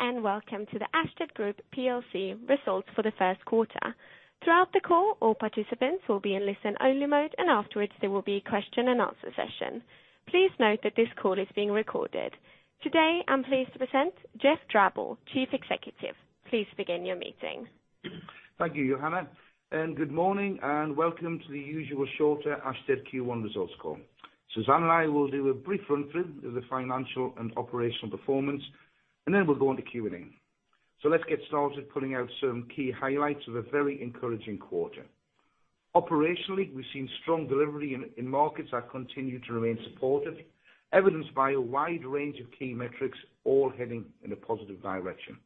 Welcome to the Ashtead Group plc results for the first quarter. Throughout the call, all participants will be in listen-only mode, and afterwards there will be a question-and-answer session. Please note that this call is being recorded. Today, I'm pleased to present Geoff Drabble, Chief Executive. Please begin your meeting. Thank you, Johanna, and good morning, and welcome to the usual shorter Ashtead Q1 results call. Suzanne and I will do a brief run-through of the financial and operational performance, then we'll go on to Q&A. Let's get started pulling out some key highlights of a very encouraging quarter. Operationally, we've seen strong delivery in markets that continue to remain supportive, evidenced by a wide range of key metrics all heading in a positive direction.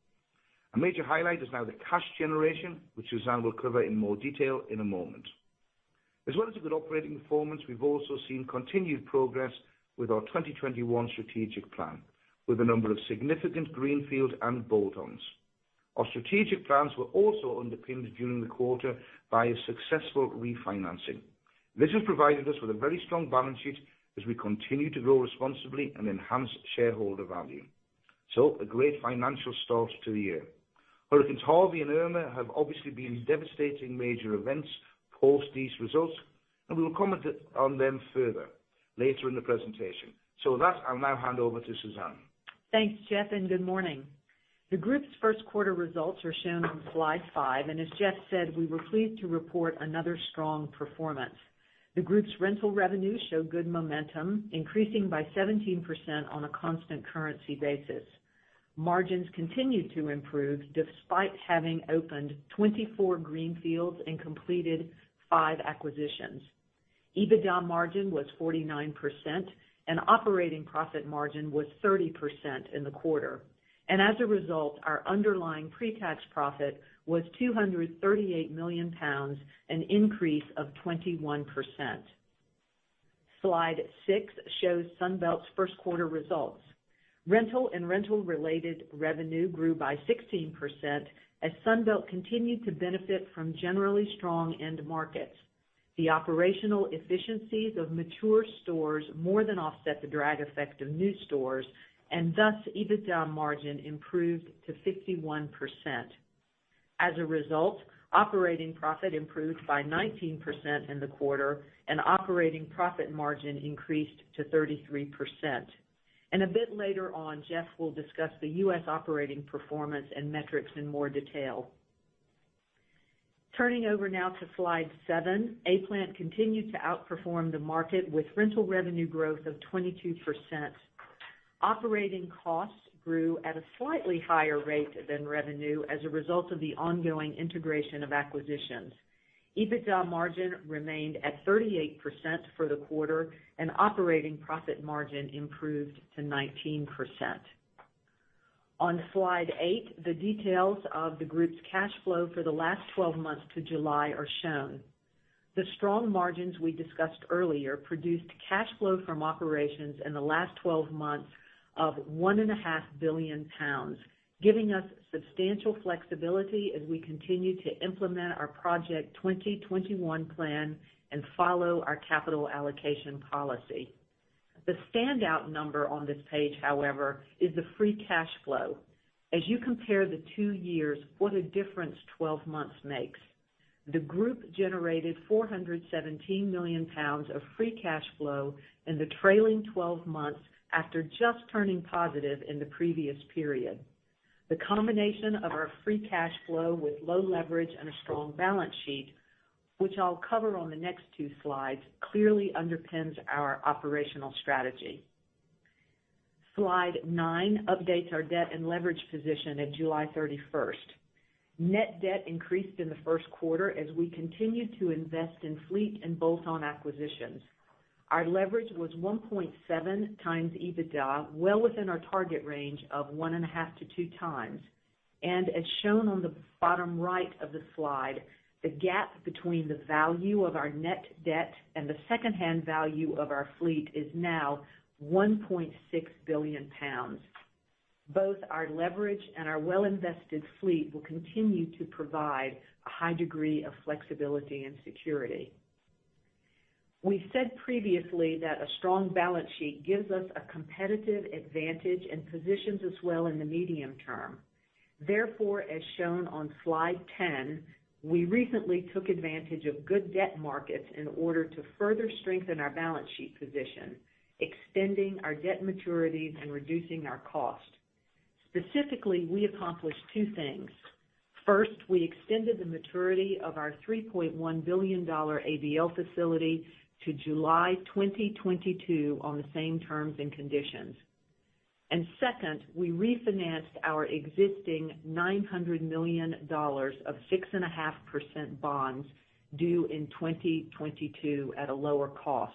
A major highlight is now the cash generation, which Suzanne will cover in more detail in a moment. As well as a good operating performance, we've also seen continued progress with our 2021 strategic plan, with a number of significant greenfield and bolt-ons. Our strategic plans were also underpinned during the quarter by a successful refinancing. This has provided us with a very strong balance sheet as we continue to grow responsibly and enhance shareholder value. A great financial start to the year. Hurricane Harvey and Hurricane Irma have obviously been devastating major events post these results, and we will comment on them further later in the presentation. With that, I'll now hand over to Suzanne. Thanks, Geoff, and good morning. The group's first quarter results are shown on slide five, and as Geoff said, we were pleased to report another strong performance. The group's rental revenues show good momentum, increasing by 17% on a constant currency basis. Margins continued to improve despite having opened 24 greenfields and completed five acquisitions. EBITDA margin was 49% and operating profit margin was 30% in the quarter. As a result, our underlying pre-tax profit was 238 million pounds, an increase of 21%. Slide six shows Sunbelt's first quarter results. Rental and rental-related revenue grew by 16% as Sunbelt continued to benefit from generally strong end markets. The operational efficiencies of mature stores more than offset the drag effect of new stores, and thus EBITDA margin improved to 51%. As a result, operating profit improved by 19% in the quarter, and operating profit margin increased to 33%. A bit later on, Geoff will discuss the US operating performance and metrics in more detail. Turning over now to slide seven, A-Plant continued to outperform the market with rental revenue growth of 22%. Operating costs grew at a slightly higher rate than revenue as a result of the ongoing integration of acquisitions. EBITDA margin remained at 38% for the quarter, and operating profit margin improved to 19%. On slide eight, the details of the group's cash flow for the last 12 months to July are shown. The strong margins we discussed earlier produced cash flow from operations in the last 12 months of £1.5 billion, giving us substantial flexibility as we continue to implement our Project 2021 plan and follow our capital allocation policy. The standout number on this page, however, is the free cash flow. As you compare the two years, what a difference 12 months makes. The group generated £417 million of free cash flow in the trailing 12 months after just turning positive in the previous period. The combination of our free cash flow with low leverage and a strong balance sheet, which I'll cover on the next two slides, clearly underpins our operational strategy. Slide nine updates our debt and leverage position at July 31st. Net debt increased in the first quarter as we continued to invest in fleet and bolt-on acquisitions. Our leverage was 1.7 times EBITDA, well within our target range of 1.5-2 times. As shown on the bottom right of the slide, the gap between the value of our net debt and the secondhand value of our fleet is now £1.6 billion. Both our leverage and our well-invested fleet will continue to provide a high degree of flexibility and security. We said previously that a strong balance sheet gives us a competitive advantage and positions us well in the medium term. Therefore, as shown on slide 10, we recently took advantage of good debt markets in order to further strengthen our balance sheet position, extending our debt maturities and reducing our cost. Specifically, we accomplished two things. First, we extended the maturity of our $3.1 billion ABL facility to July 2022 on the same terms and conditions. Second, we refinanced our existing $900 million of 6.5% bonds due in 2022 at a lower cost.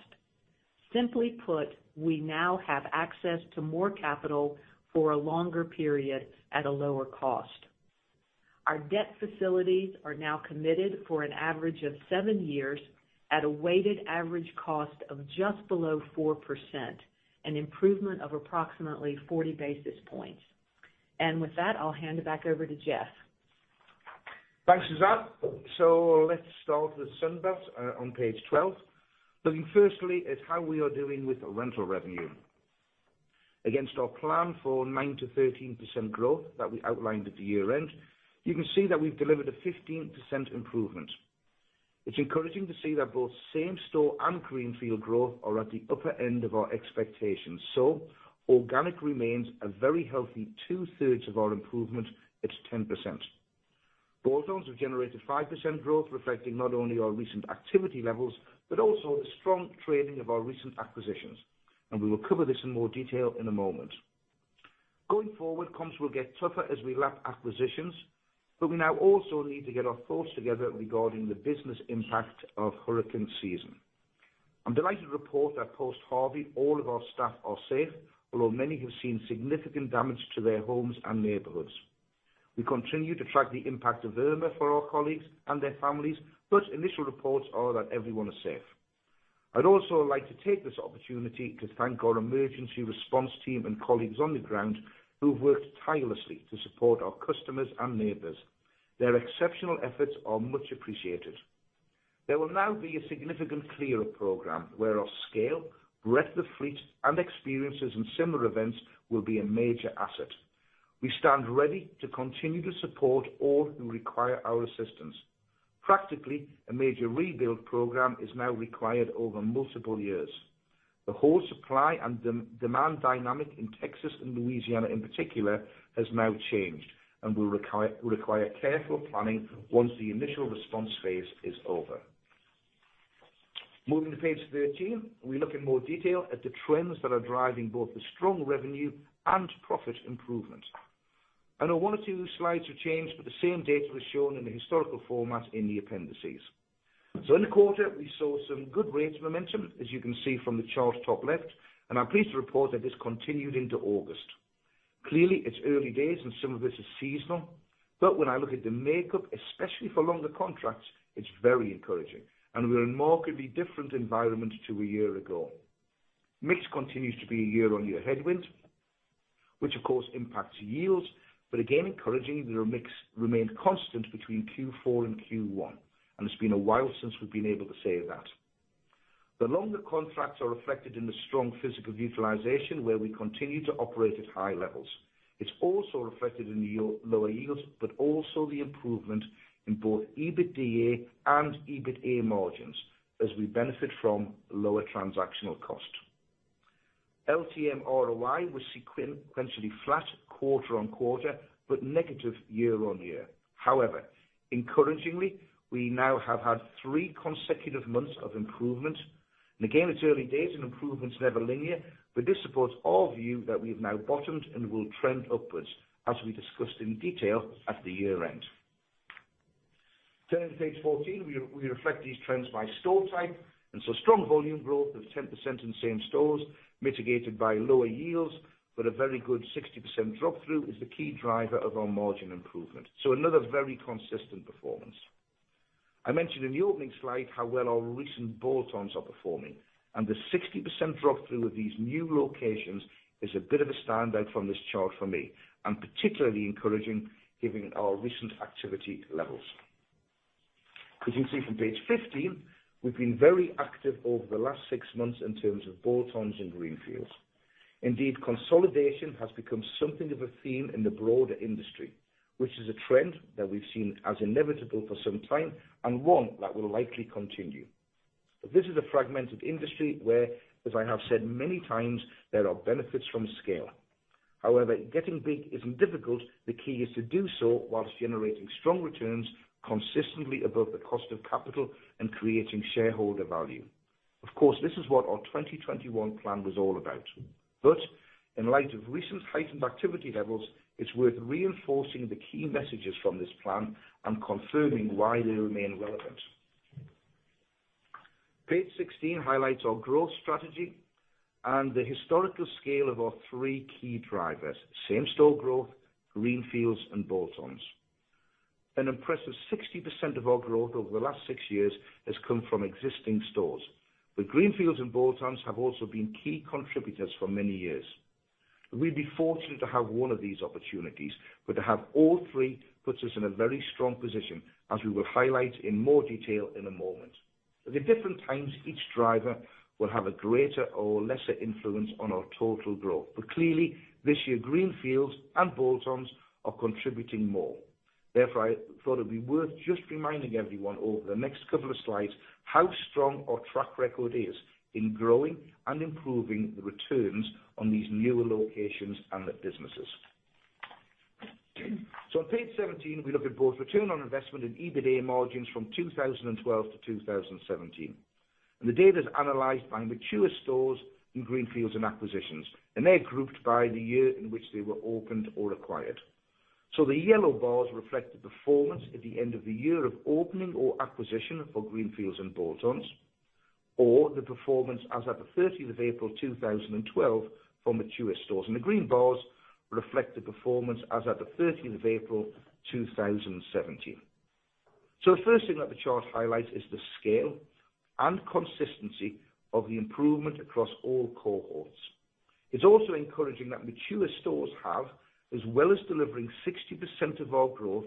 Simply put, we now have access to more capital for a longer period at a lower cost. Our debt facilities are now committed for an average of seven years at a weighted average cost of just below 4%, an improvement of approximately 40 basis points. With that, I'll hand it back over to Geoff. Thanks, Suzanne. Let's start with Sunbelt on page 12, looking firstly at how we are doing with rental revenue. Against our plan for 9%-13% growth that we outlined at the year-end, you can see that we've delivered a 15% improvement. It's encouraging to see that both same-store and greenfield growth are at the upper end of our expectations. Organic remains a very healthy two-thirds of our improvement at 10%. Bolt-ons have generated 5% growth, reflecting not only our recent activity levels, but also the strong trading of our recent acquisitions. We will cover this in more detail in a moment. Going forward, comps will get tougher as we lap acquisitions, but we now also need to get our thoughts together regarding the business impact of hurricane season. I'm delighted to report that post-Harvey, all of our staff are safe, although many have seen significant damage to their homes and neighborhoods. We continue to track the impact of Irma for our colleagues and their families, but initial reports are that everyone is safe. I'd also like to take this opportunity to thank our emergency response team and colleagues on the ground who've worked tirelessly to support our customers and neighbors. Their exceptional efforts are much appreciated. There will now be a significant clear-up program where our scale, breadth of fleet, and experiences in similar events will be a major asset. We stand ready to continue to support all who require our assistance. Practically, a major rebuild program is now required over multiple years. The whole supply and demand dynamic in Texas and Louisiana in particular has now changed and will require careful planning once the initial response phase is over. Moving to page 13, we look in more detail at the trends that are driving both the strong revenue and profit improvement. One or two slides are changed, but the same data is shown in the historical format in the appendices. In the quarter, we saw some good rates momentum, as you can see from the chart top left, and I'm pleased to report that this continued into August. Clearly, it's early days, and some of this is seasonal, but when I look at the makeup, especially for longer contracts, it's very encouraging, and we're in a markedly different environment to a year ago. Mix continues to be a year-on-year headwind, which of course impacts yields. Again encouraging, the mix remained constant between Q4 and Q1, and it's been a while since we've been able to say that. The longer contracts are reflected in the strong physical utilization, where we continue to operate at high levels. It's also reflected in lower yields, but also the improvement in both EBITDA and EBITA margins as we benefit from lower transactional cost. LTM ROI was sequentially flat quarter-on-quarter, but negative year-on-year. However, encouragingly, we now have had three consecutive months of improvement. Again, it's early days and improvement is never linear, but this supports our view that we've now bottomed and will trend upwards, as we discussed in detail at the year-end. Turning to page 14, we reflect these trends by store type, strong volume growth of 10% in same stores, mitigated by lower yields, but a very good 60% drop-through is the key driver of our margin improvement. Another very consistent performance. I mentioned in the opening slide how well our recent bolt-ons are performing, and the 60% drop-through of these new locations is a bit of a standout from this chart for me, and particularly encouraging given our recent activity levels. As you can see from page 15, we've been very active over the last six months in terms of bolt-ons and greenfields. Indeed, consolidation has become something of a theme in the broader industry, which is a trend that we've seen as inevitable for some time and one that will likely continue. This is a fragmented industry where, as I have said many times, there are benefits from scale. However, getting big isn't difficult. The key is to do so whilst generating strong returns consistently above the cost of capital and creating shareholder value. Of course, this is what our Project 2021 plan was all about. In light of recent heightened activity levels, it's worth reinforcing the key messages from this plan and confirming why they remain relevant. Page 16 highlights our growth strategy and the historical scale of our three key drivers, same-store growth, greenfields, and bolt-ons. An impressive 60% of our growth over the last six years has come from existing stores. The greenfields and bolt-ons have also been key contributors for many years. We'd be fortunate to have one of these opportunities, but to have all three puts us in a very strong position, as we will highlight in more detail in a moment. At different times, each driver will have a greater or lesser influence on our total growth. Clearly this year, greenfields and bolt-ons are contributing more. I thought it'd be worth just reminding everyone over the next couple of slides how strong our track record is in growing and improving the returns on these newer locations and their businesses. On page 17, we look at both return on investment and EBITA margins from 2012 to 2017. The data is analyzed by mature stores in greenfields and acquisitions, and they are grouped by the year in which they were opened or acquired. The yellow bars reflect the performance at the end of the year of opening or acquisition for greenfields and bolt-ons, or the performance as at the 13th of April 2012 for mature stores. The green bars reflect the performance as at the 13th of April 2017. The first thing that the chart highlights is the scale and consistency of the improvement across all cohorts. It's also encouraging that mature stores have, as well as delivering 60% of our growth,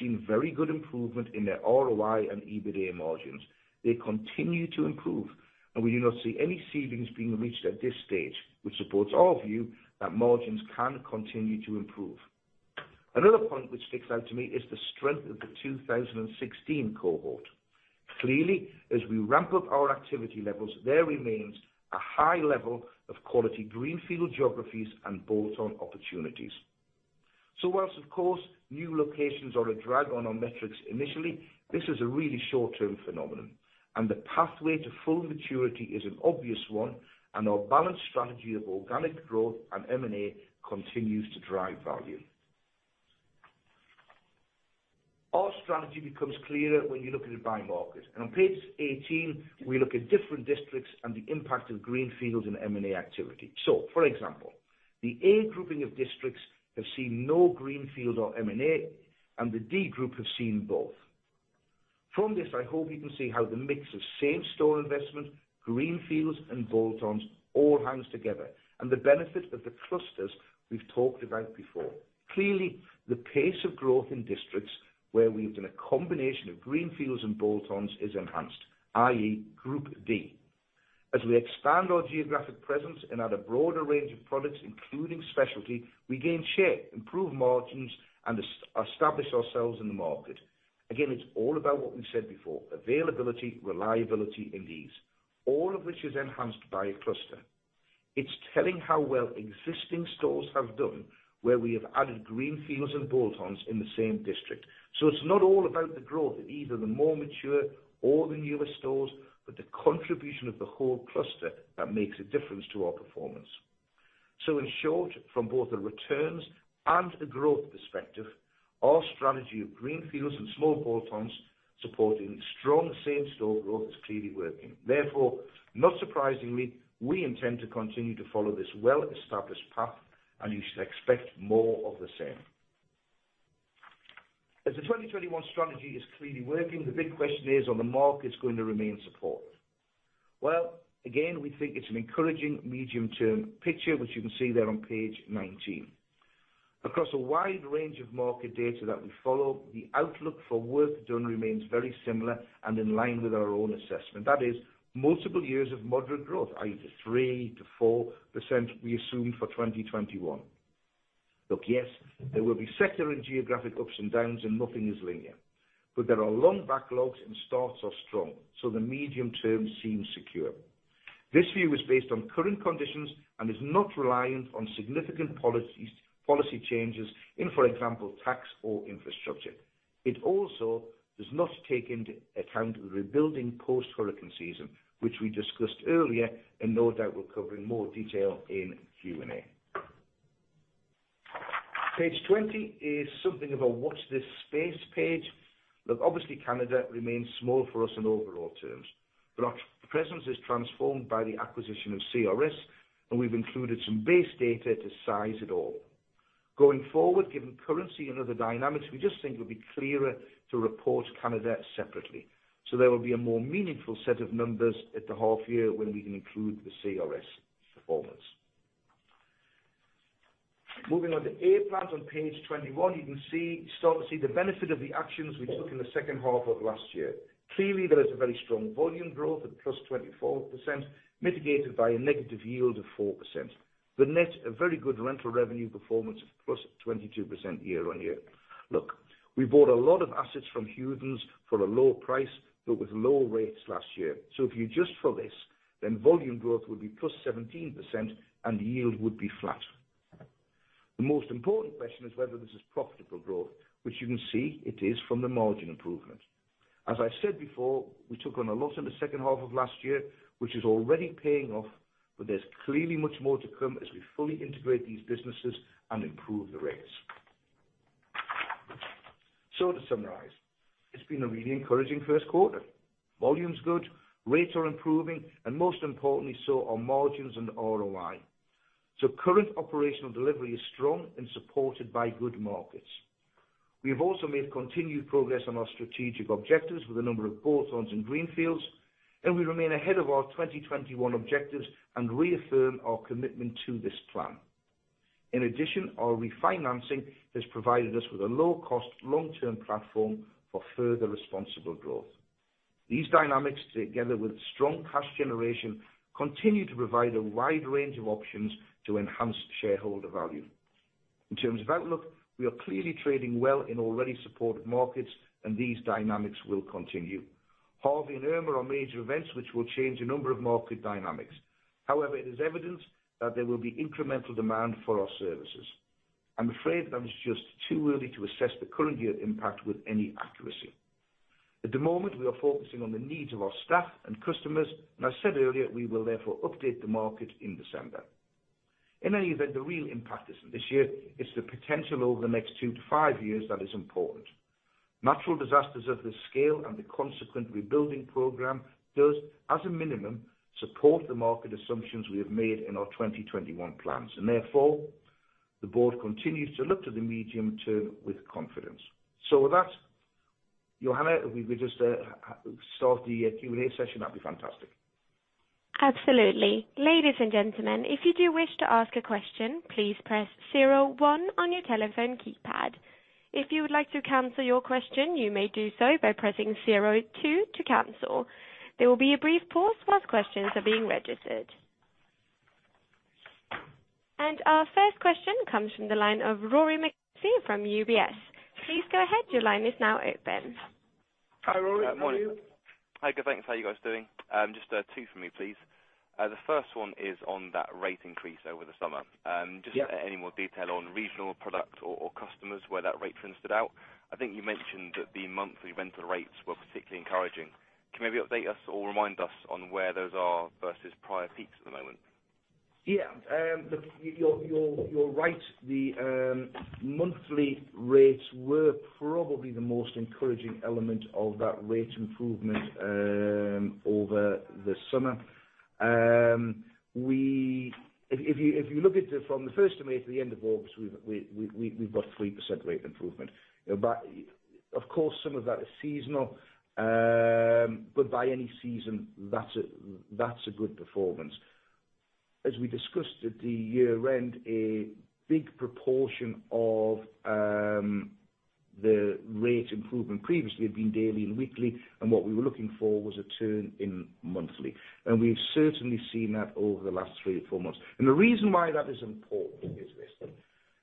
seen very good improvement in their ROI and EBITDA margins. They continue to improve, and we do not see any ceilings being reached at this stage, which supports our view that margins can continue to improve. Another point which sticks out to me is the strength of the 2016 cohort. Clearly, as we ramp up our activity levels, there remains a high level of quality greenfield geographies and bolt-on opportunities. Whilst, of course, new locations are a drag on our metrics initially, this is a really short-term phenomenon, and the pathway to full maturity is an obvious one, and our balanced strategy of organic growth and M&A continues to drive value. Our strategy becomes clearer when you look at it by market. On page 18, we look at different districts and the impact of greenfields and M&A activity. For example, the A grouping of districts have seen no greenfield or M&A, and the D group have seen both. From this, I hope you can see how the mix of same-store investment, greenfields, and bolt-ons all hangs together, and the benefit of the clusters we've talked about before. Clearly, the pace of growth in districts where we've done a combination of greenfields and bolt-ons is enhanced, i.e., group D. As we expand our geographic presence and add a broader range of products, including specialty, we gain share, improve margins, and establish ourselves in the market. Again, it's all about what we've said before, availability, reliability, and ease, all of which is enhanced by a cluster. It's telling how well existing stores have done where we have added greenfields and bolt-ons in the same district. It's not all about the growth of either the more mature or the newer stores, but the contribution of the whole cluster that makes a difference to our performance. In short, from both the returns and the growth perspective, our strategy of greenfields and small bolt-ons supporting strong same-store growth is clearly working. Not surprisingly, we intend to continue to follow this well-established path, and you should expect more of the same. As the 2021 strategy is clearly working, the big question is, are the markets going to remain supportive? Well, again, we think it's an encouraging medium-term picture, which you can see there on page 19. Across a wide range of market data that we follow, the outlook for work done remains very similar and in line with our own assessment. That is multiple years of moderate growth, i.e., 3%-4% we assume for 2021. Yes, there will be sector and geographic ups and downs and nothing is linear. There are long backlogs and starts are strong, the medium term seems secure. This view is based on current conditions and is not reliant on significant policy changes in, for example, tax or infrastructure. It also does not take into account the rebuilding post-hurricane season, which we discussed earlier, and no doubt we'll cover in more detail in Q&A. Page 20 is something of a watch this space page. Obviously, Canada remains small for us in overall terms, but our presence is transformed by the acquisition of CRS, and we've included some base data to size it all. Going forward, given currency and other dynamics, we just think it would be clearer to report Canada separately. There will be a more meaningful set of numbers at the half year when we can include the CRS performance. Moving on to A-Plant on page 21, you can start to see the benefit of the actions we took in the second half of last year. Clearly, there is a very strong volume growth at +24%, mitigated by a negative yield of 4%. The net, a very good rental revenue performance of +22% year-on-year. We bought a lot of assets from Hewden for a low price but with low rates last year. If you adjust for this, volume growth would be +17% and yield would be flat. The most important question is whether this is profitable growth, which you can see it is from the margin improvement. As I said before, we took on a lot in the second half of last year, which is already paying off, but there's clearly much more to come as we fully integrate these businesses and improve the rates. To summarize, it's been a really encouraging first quarter. Volume's good, rates are improving, and most importantly, so are margins and ROI. Current operational delivery is strong and supported by good markets. We have also made continued progress on our strategic objectives with a number of bolt-ons and greenfields. We remain ahead of our 2021 objectives and reaffirm our commitment to this plan. In addition, our refinancing has provided us with a low-cost, long-term platform for further responsible growth. These dynamics, together with strong cash generation, continue to provide a wide range of options to enhance shareholder value. In terms of outlook, we are clearly trading well in already supported markets and these dynamics will continue. Harvey and Irma are major events which will change a number of market dynamics. It is evident that there will be incremental demand for our services. I'm afraid that it's just too early to assess the current year impact with any accuracy. At the moment, we are focusing on the needs of our staff and customers. I said earlier, we will therefore update the market in December. In any event, the real impact isn't this year, it's the potential over the next 2-5 years that is important. Natural disasters of this scale and the consequent rebuilding program does, as a minimum, support the market assumptions we have made in our 2021 plans. Therefore, the board continues to look to the medium-term with confidence. With that, Johanna, if we could just start the Q&A session, that'd be fantastic. Absolutely. Ladies and gentlemen, if you do wish to ask a question, please press 01 on your telephone keypad. If you would like to cancel your question, you may do so by pressing 02 to cancel. There will be a brief pause while questions are being registered. Our first question comes from the line of Rory McKenzie from UBS. Please go ahead. Your line is now open. Hi, Rory. How are you? Hi, good thanks. How you guys doing? Just two for me, please. The first one is on that rate increase over the summer. Yep. Just any more detail on regional product or customers where that rate trend stood out. I think you mentioned that the monthly rental rates were particularly encouraging. Can you maybe update us or remind us on where those are versus prior peaks at the moment? Look, you're right. The monthly rates were probably the most encouraging element of that rate improvement over the summer. If you look at it from the first of May to the end of August, we've got 3% rate improvement. Of course, some of that is seasonal. By any season, that's a good performance. As we discussed at the year-end, a big proportion of the rate improvement previously had been daily and weekly, and what we were looking for was a turn in monthly. We've certainly seen that over the last three to four months. The reason why that is important is this.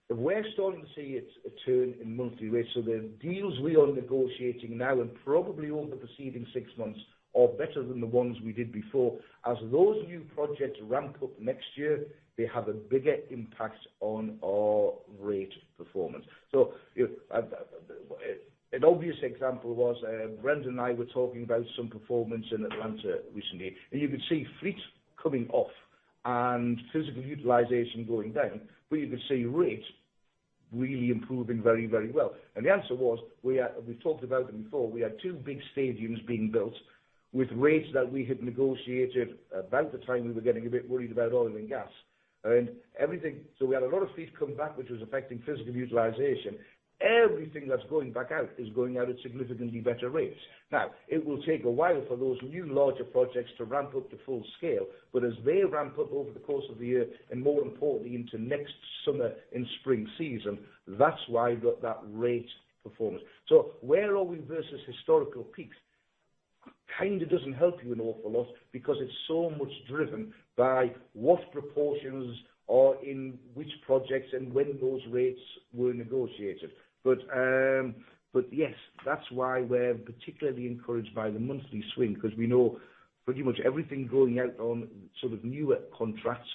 We're starting to see a turn in monthly rates, so the deals we are negotiating now and probably over the preceding six months are better than the ones we did before. As those new projects ramp up next year, they have a bigger impact on our rate performance. An obvious example was, Brendan and I were talking about some performance in Atlanta recently. You could see fleet coming off and physical utilization going down, but you could see rates really improving very, very well. The answer was, we talked about them before. We had two big stadiums being built with rates that we had negotiated about the time we were getting a bit worried about oil and gas. We had a lot of fleet come back, which was affecting physical utilization. Everything that's going back out is going out at significantly better rates. Now, it will take a while for those new larger projects to ramp up to full scale. As they ramp up over the course of the year, and more importantly, into next summer and spring season, that's why we've got that rate performance. Where are we versus historical peaks? Kind of doesn't help you an awful lot because it's so much driven by what proportions are in which projects and when those rates were negotiated. Yes, that's why we're particularly encouraged by the monthly swing because we know pretty much everything going out on sort of newer contracts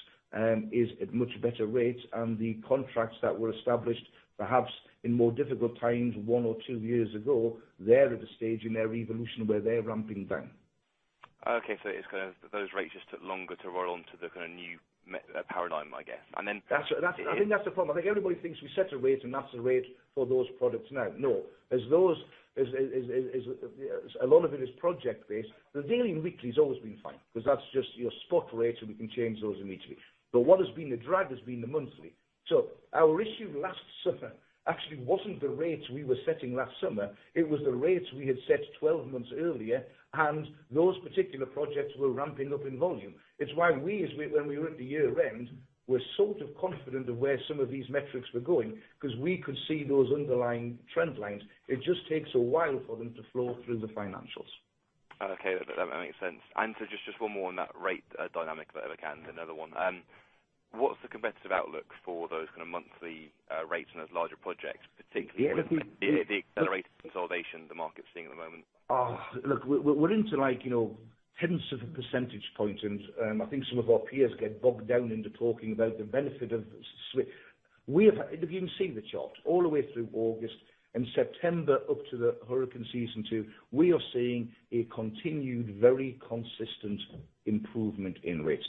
is at much better rates than the contracts that were established perhaps in more difficult times one or two years ago. They're at a stage in their evolution where they're ramping down. Okay, those rates just took longer to roll onto the kind of new paradigm, I guess. I think that's the problem. I think everybody thinks we set a rate, and that's a rate for those products now. No. A lot of it is project-based. The daily and weekly has always been fine because that's just your spot rates, and we can change those immediately. What has been the drag has been the monthly. Our issue last summer actually wasn't the rates we were setting last summer, it was the rates we had set 12 months earlier, and those particular projects were ramping up in volume. It's why we, when we were at the year-end, were sort of confident of where some of these metrics were going because we could see those underlying trend lines. It just takes a while for them to flow through the financials. Okay. That makes sense. Just one more on that rate dynamic, if I can. Another one. What's the competitive outlook for those kind of monthly rates on those larger projects, particularly with the accelerated consolidation the market's seeing at the moment? Look, we're into like tens of percentage points. I think some of our peers get bogged down into talking about the benefit of switch. If you can see the chart, all the way through August and September up to the hurricane season too, we are seeing a continued, very consistent improvement in rates.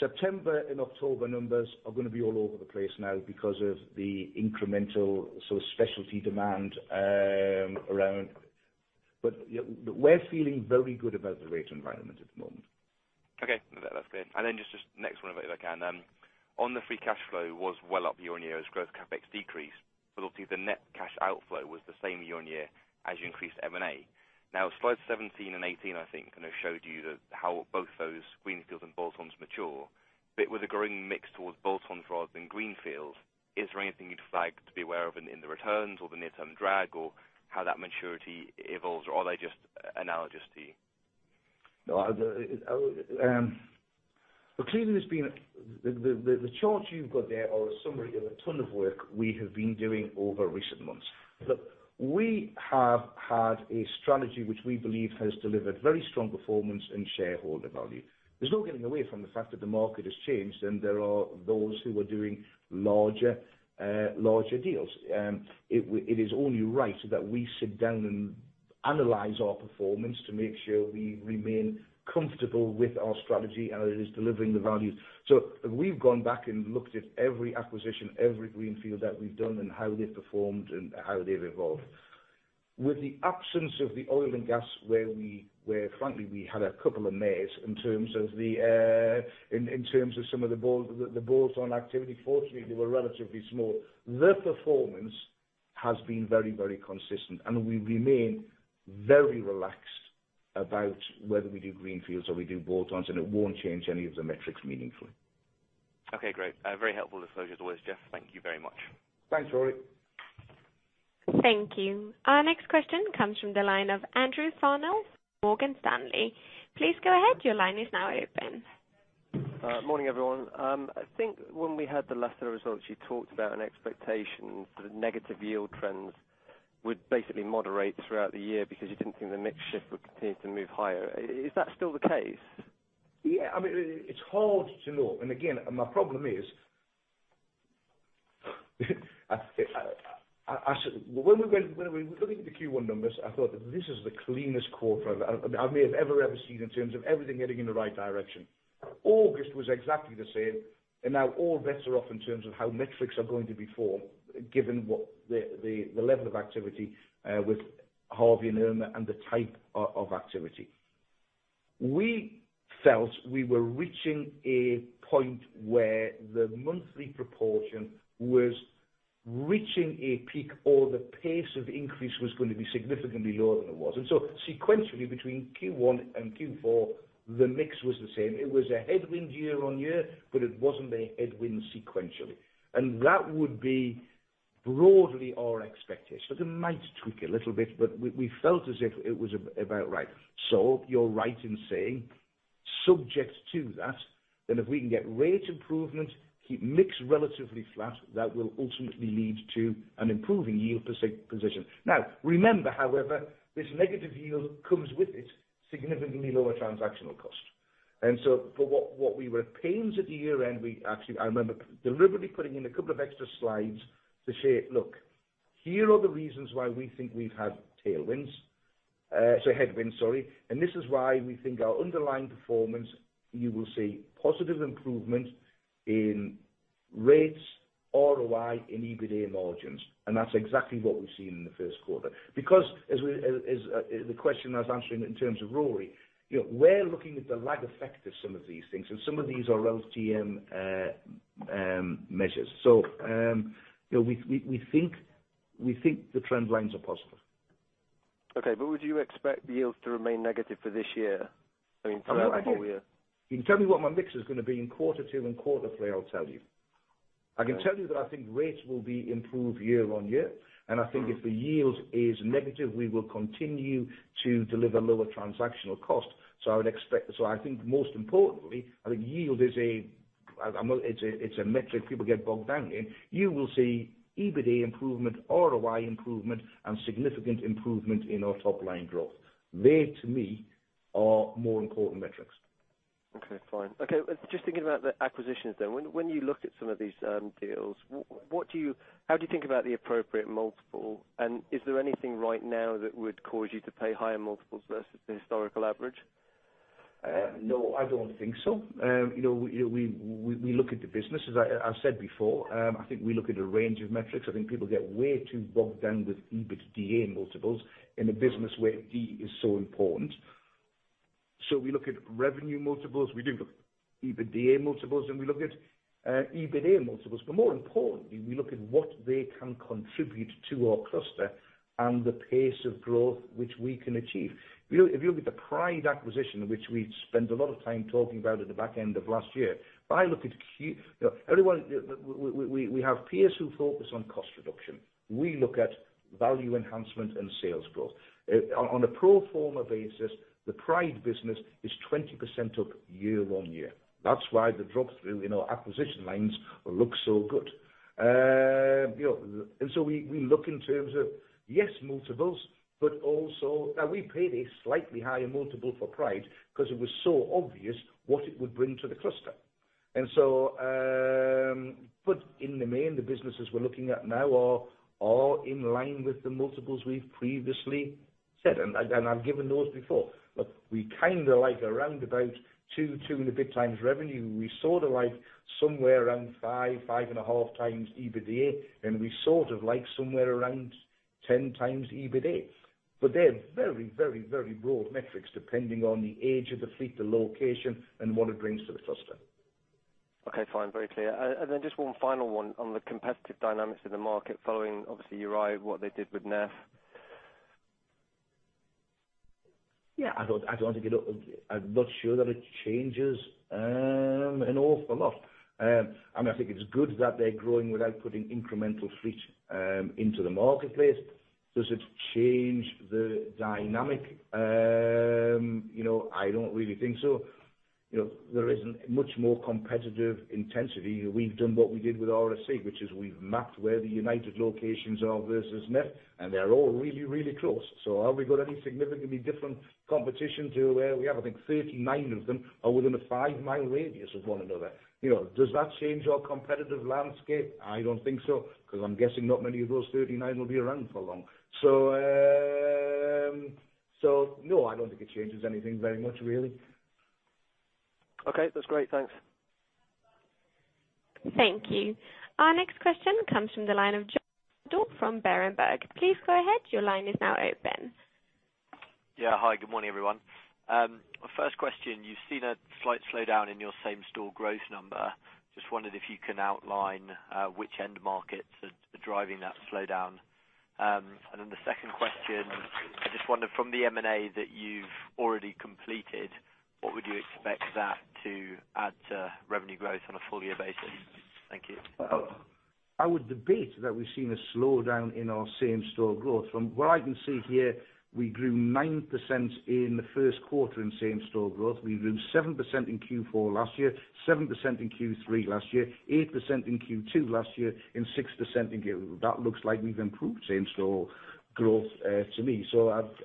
September and October numbers are going to be all over the place now because of the incremental sort of specialty demand around. We're feeling very good about the rate environment at the moment. Okay. That's clear. Then just next one if I can. On the free cash flow was well up year-on-year as growth CapEx decreased. Obviously, the net cash outflow was the same year-on-year as you increased M&A. Slides 17 and 18, I think, kind of showed you how both those greenfields and bolt-ons mature. With a growing mix towards bolt-ons rather than greenfields, is there anything you'd flag to be aware of in the returns or the near-term drag, or how that maturity evolves? Are they just analogous to you? Look, the chart you've got there are a summary of a ton of work we have been doing over recent months. Look, we have had a strategy which we believe has delivered very strong performance and shareholder value. There's no getting away from the fact that the market has changed, and there are those who are doing larger deals. It is only right that we sit down and analyze our performance to make sure we remain comfortable with our strategy and it is delivering the value. We've gone back and looked at every acquisition, every greenfield that we've done and how they've performed and how they've evolved. With the absence of the oil and gas where frankly we had a couple of misses in terms of some of the bolt-on activity. Fortunately, they were relatively small. The performance has been very, very consistent. We remain very relaxed about whether we do greenfields or we do bolt-ons, and it won't change any of the metrics meaningfully. Okay, great. Very helpful disclosure as always, Geoff. Thank you very much. Thanks, Rory. Thank you. Our next question comes from the line of Andrew Farnell, Morgan Stanley. Please go ahead. Your line is now open. Morning, everyone. I think when we had the latest results, you talked about an expectation that negative yield trends would basically moderate throughout the year because you didn't think the mix shift would continue to move higher. Is that still the case? Yeah. It's hard to know. Again, my problem is when we were looking at the Q1 numbers, I thought that this is the cleanest quarter I may have ever seen in terms of everything heading in the right direction. August was exactly the same, now all bets are off in terms of how metrics are going to perform given the level of activity with Hurricane Harvey and Hurricane Irma and the type of activity. We felt we were reaching a point where the monthly proportion was reaching a peak, or the pace of increase was going to be significantly lower than it was. Sequentially, between Q1 and Q4, the mix was the same. It was a headwind year-on-year, but it wasn't a headwind sequentially. That would be broadly our expectation. It might tweak a little bit, we felt as if it was about right. You're right in saying subject to that, then if we can get rate improvement, keep mix relatively flat, that will ultimately lead to an improving yield position. Remember, however, this negative yield comes with it significantly lower transactional cost. For what we were at pains at the year-end, we actually, I remember deliberately putting in a couple of extra slides to say, "Look, here are the reasons why we think we've had headwinds, and this is why we think our underlying performance, you will see positive improvement in rates, ROI, and EBITDA margins." That's exactly what we've seen in the first quarter. As the question I was answering in terms of Rory, we're looking at the lag effect of some of these things, and some of these are LTM measures. We think the trend lines are positive. Okay. Would you expect yields to remain negative for this year? I mean, throughout the whole year. You can tell me what my mix is going to be in quarter two and quarter three, I'll tell you. I can tell you that I think rates will be improved year-over-year, and I think if the yield is negative, we will continue to deliver lower transactional cost. I think most importantly, I think yield is a metric people get bogged down in. You will see EBITDA improvement, ROI improvement, and significant improvement in our top-line growth. They, to me, are more important metrics. Just thinking about the acquisitions then. When you looked at some of these deals, how do you think about the appropriate multiple, and is there anything right now that would cause you to pay higher multiples versus the historical average? No, I don't think so. We look at the business. As I've said before, I think we look at a range of metrics. I think people get way too bogged down with EBITDA multiples in a business where D is so important. We look at revenue multiples, we do look at EBITDA multiples, and we look at EBITA multiples. More importantly, we look at what they can contribute to our cluster and the pace of growth which we can achieve. If you look at the Pride acquisition, which we spent a lot of time talking about at the back end of last year. We have peers who focus on cost reduction. We look at value enhancement and sales growth. On a pro forma basis, the Pride business is 20% up year-over-year. That's why the drop-through in our acquisition lines looks so good. We look in terms of, yes, multiples, but also now we paid a slightly higher multiple for Pride because it was so obvious what it would bring to the cluster. In the main, the businesses we're looking at now are all in line with the multiples we've previously said, and I've given those before. Look, we like around about two and a bit times revenue. We like somewhere around five and a half times EBITDA, and we like somewhere around 10 times EBITA. They're very, very, very broad metrics depending on the age of the fleet, the location, and what it brings to the cluster. Okay, fine. Very clear. Just one final one on the competitive dynamics of the market following obviously URI, what they did with Neff. Yeah, I'm not sure that it changes an awful lot. I think it's good that they're growing without putting incremental fleet into the marketplace. Does it change the dynamic? I don't really think so. There isn't much more competitive intensity. We've done what we did with RSC, which is we've mapped where the United locations are versus Neff, and they're all really, really close. Have we got any significantly different competition to where we have, I think 39 of them are within a five-mile radius of one another. Does that change our competitive landscape? I don't think so, because I'm guessing not many of those 39 will be around for long. No, I don't think it changes anything very much, really. Okay. That's great. Thanks. Thank you. Our next question comes from the line of John Dodd from Berenberg. Please go ahead. Your line is now open. Yeah. Hi, good morning, everyone. First question, you've seen a slight slowdown in your same-store growth number. Just wondered if you can outline which end markets are driving that slowdown. Then the second question, I just wonder from the M&A that you've already completed, what would you expect that to add to revenue growth on a full-year basis? Thank you. I would debate that we've seen a slowdown in our same-store growth. From what I can see here, we grew 9% in the first quarter in same-store growth. We grew 7% in Q4 last year, 7% in Q3 last year, 8% in Q2 last year, and 6%. That looks like we've improved same-store growth to me.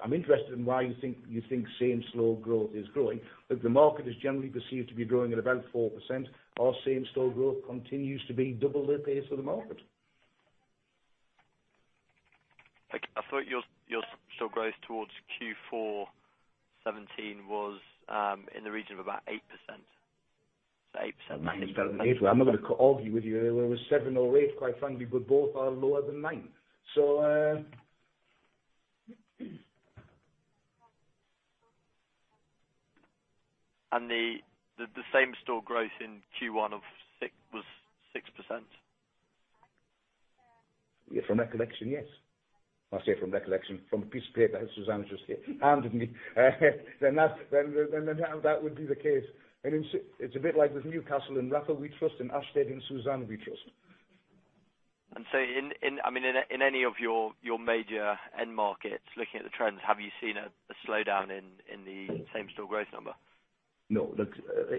I'm interested in why you think same-store growth is growing. The market is generally perceived to be growing at about 4%. Our same-store growth continues to be double the pace of the market. Okay. I thought your same-store growth towards Q4 2017 was in the region of about 8%, so 8%-9%. 8%. Well, I'm not going to argue with you whether it was seven or eight, quite frankly, but both are lower than nine. The same-store growth in Q1 was 6%. Yeah, from recollection, yes. I say from recollection, from a piece of paper that Suzanne just handed me. That would be the case. It's a bit like with Newcastle, in Rafa we trust, in Ashtead and Suzanne we trust. In any of your major end markets, looking at the trends, have you seen a slowdown in the same-store growth number? No. Look,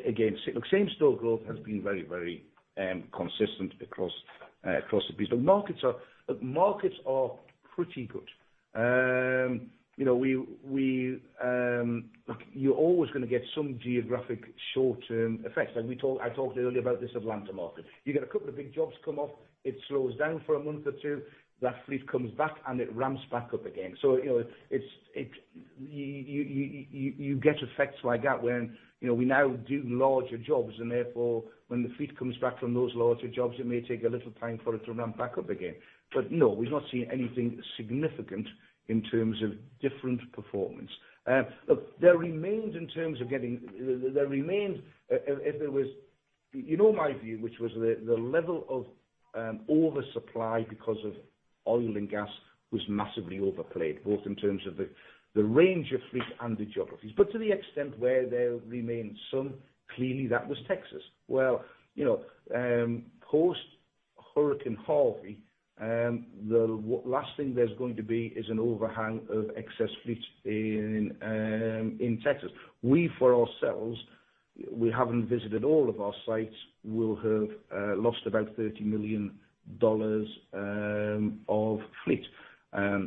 again, same-store growth has been very, very consistent across the piece. Markets are pretty good. You know, you're always going to get some geographic short-term effects. I talked earlier about this Atlanta market. You get a couple of big jobs come off, it slows down for a month or two. That fleet comes back, and it ramps back up again. You get effects like that when we now do larger jobs and therefore when the fleet comes back from those larger jobs, it may take a little time for it to ramp back up again. No, we've not seen anything significant in terms of different performance. Look, there remains in terms of getting You know my view, which was the level of oversupply because of oil and gas was massively overplayed, both in terms of the range of fleet and the geographies. To the extent where there remains some, clearly that was Texas. Post-Hurricane Harvey, the last thing there's going to be is an overhang of excess fleets in Texas. We, for ourselves, haven't visited all of our sites, we'll have lost about $30 million of fleet.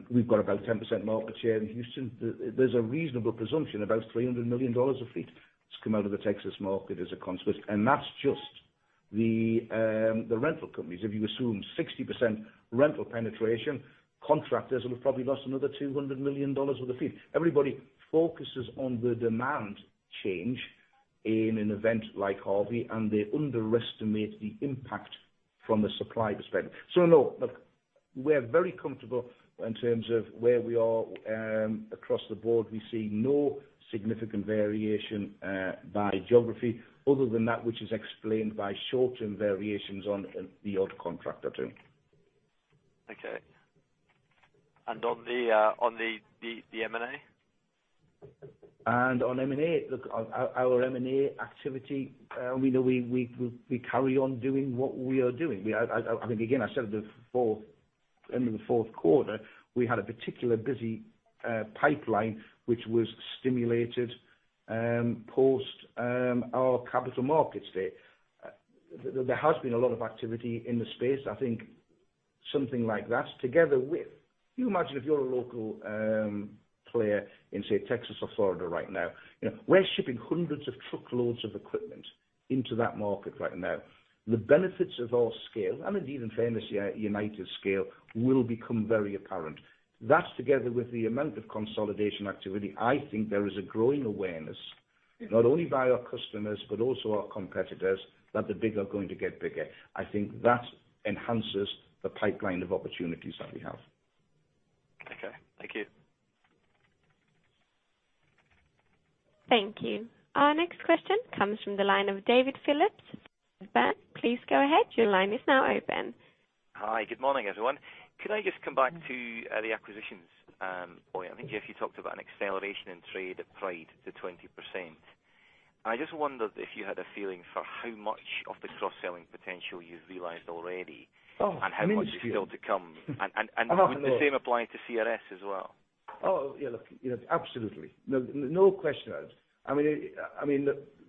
We've got about 10% market share in Houston. There's a reasonable presumption about $300 million of fleet has come out of the Texas market as a consequence, and that's just the rental companies. If you assume 60% rental penetration, contractors will have probably lost another $200 million worth of fleet. Everybody focuses on the demand change in an event like Hurricane Harvey, and they underestimate the impact from the supply perspective. No, look, we're very comfortable in terms of where we are. Across the board, we see no significant variation by geography other than that which is explained by short-term variations on the odd contract or two. Okay. On the M&A? On M&A, look, our M&A activity, we carry on doing what we are doing. Again, I said at the end of the fourth quarter, we had a particular busy pipeline, which was stimulated post our capital markets day. There has been a lot of activity in the space. I think something like that. You imagine if you're a local player in, say, Texas or Florida right now. We're shipping hundreds of truckloads of equipment into that market right now. The benefits of our scale, and indeed in fairness, United Rentals' scale, will become very apparent. That together with the amount of consolidation activity, I think there is a growing awareness, not only by our customers, but also our competitors, that the big are going to get bigger. I think that enhances the pipeline of opportunities that we have. Okay. Thank you. Thank you. Our next question comes from the line of David Phillips. Please go ahead. Your line is now open. Hi. Good morning, everyone. Could I just come back to the acquisitions point? I think, Geoff, you talked about an acceleration in trade at Pride to 20%. I just wondered if you had a feeling for how much of the cross-selling potential you've realized already- Oh, an instinct how much is still to come. I'll have to look. Would the same apply to CRS as well? Oh, yeah. Look, absolutely. No question asked.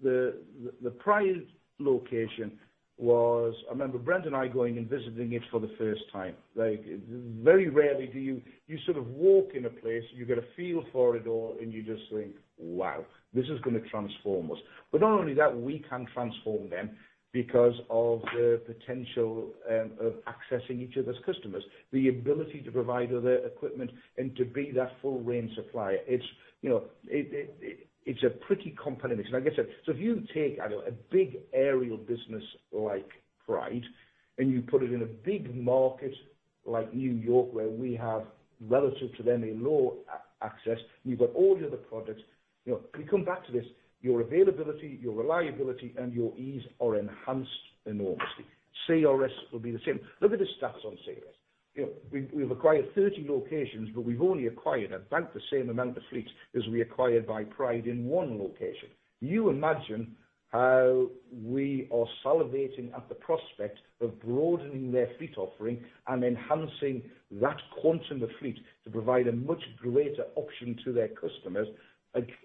The Pride location was, I remember Brent and I going and visiting it for the first time. Very rarely do you sort of walk in a place, you get a feel for it all, and you just think, "Wow, this is going to transform us." Not only that, we can transform them because of the potential of accessing each other's customers. The ability to provide other equipment and to be that full-range supplier. It's a pretty complement. Like I said, if you take a big aerial business like Pride, and you put it in a big market like New York, where we have, relative to them, a low access. You've got all the other products. If we come back to this, your availability, your reliability, and your ease are enhanced enormously. CRS will be the same. Look at the stats on CRS. We've acquired 30 locations, but we've only acquired about the same amount of fleets as we acquired by Pride in one location. You imagine how we are salivating at the prospect of broadening their fleet offering and enhancing that quantum of fleet to provide a much greater option to their customers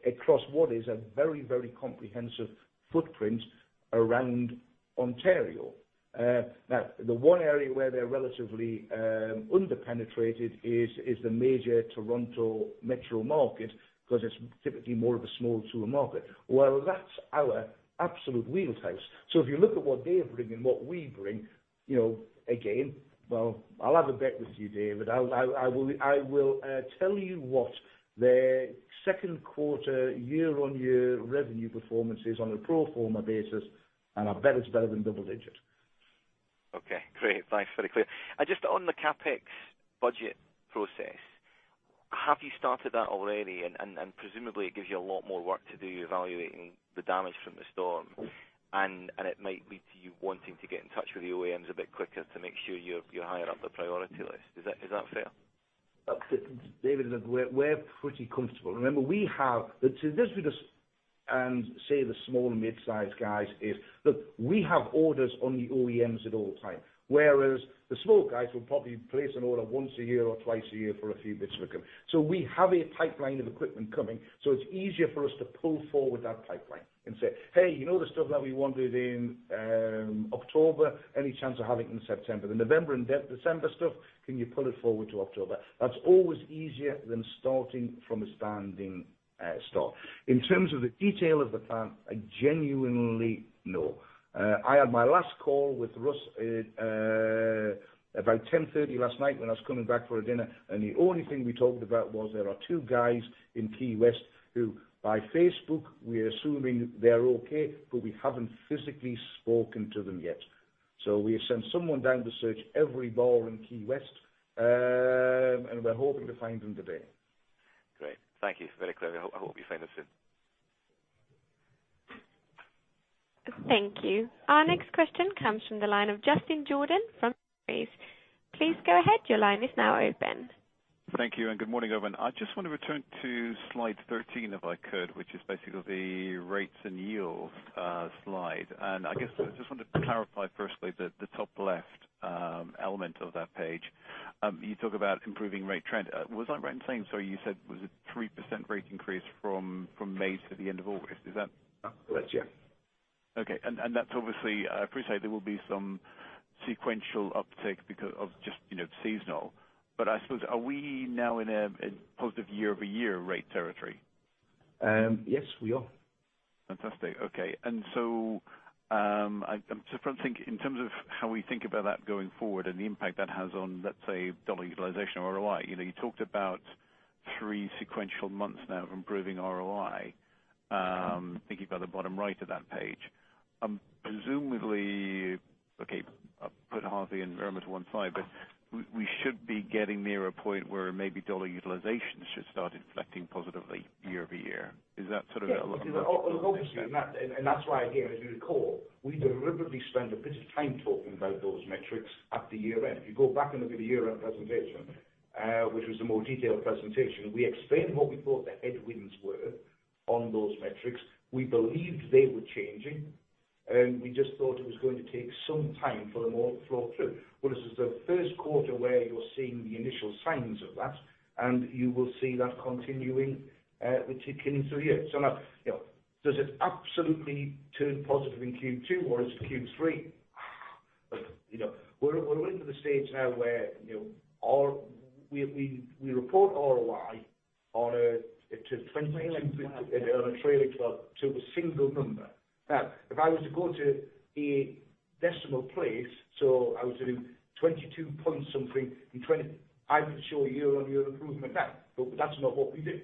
across what is a very, very comprehensive footprint around Ontario. The one area where they're relatively under-penetrated is the major Toronto metro market because it's typically more of a small tool market. Well, that's our absolute wheelhouse. If you look at what they bring and what we bring, again, well, I'll have a bet with you, David. I will tell you what their second quarter year-on-year revenue performance is on a pro forma basis, and I bet it's better than double digits. Okay, great. Thanks. Very clear. Just on the CapEx budget process, have you started that already? Presumably, it gives you a lot more work to do evaluating the damage from the storm, and it might lead to you wanting to get in touch with the OEMs a bit quicker to make sure you're higher up the priority list. Is that fair? David, we're pretty comfortable. Remember, the difference with us and, say, the small and midsize guys is we have orders on the OEMs at all time, whereas the small guys will probably place an order once a year or twice a year for a few bits of equipment. We have a pipeline of equipment coming, so it's easier for us to pull forward that pipeline and say, "Hey, you know the stuff that we wanted in October? Any chance of having it in September? The November and December stuff, can you pull it forward to October?" That's always easier than starting from a standing stop. In terms of the detail of the plan, I genuinely know. I had my last call with Russ about 10:30 last night when I was coming back for a dinner, the only thing we talked about was there are two guys in Key West who, by Facebook, we are assuming they're okay, but we haven't physically spoken to them yet. We sent someone down to search every bar in Key West, and we're hoping to find them today. Great. Thank you. Very clear. I hope you find them soon. Thank you. Our next question comes from the line of Justin Jordan from. Please go ahead. Your line is now open. Thank you. Good morning, everyone. I just want to return to slide 13 if I could, which is basically the rates and yields slide. I guess I just wanted to clarify firstly the top left element of that page. You talk about improving rate trend. Was I right in saying, so you said, was it 3% rate increase from May to the end of August? That's yeah. That's obviously, I appreciate there will be some sequential uptick because of just seasonal. I suppose, are we now in a positive year-over-year rate territory? Yes, we are. I'm just trying to think in terms of how we think about that going forward and the impact that has on, let's say, dollar utilization or ROI. You talked about three sequential months now of improving ROI. Thinking about the bottom right of that page. Presumably, put Harvey and Irma to one side, we should be getting near a point where maybe dollar utilization should start inflecting positively year-over-year. Is that sort of? Yeah. Okay. That's why, again, as you recall, we deliberately spent a bit of time talking about those metrics at the year-end. If you go back and look at the year-end presentation, which was the more detailed presentation, we explained what we thought the headwinds were on those metrics. We believed they were changing, and we just thought it was going to take some time for them all to flow through. This is the first quarter where you're seeing the initial signs of that, and you will see that continuing through the year. Now, does it absolutely turn positive in Q2 or into Q3? We're into the stage now where we report ROI on a- Trailing 12 trailing 12 to a single number. If I was to go to a decimal place, so I was doing 22 point something in 20-- I would show year-on-year improvement. That's not what we do.